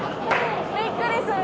びっくりする。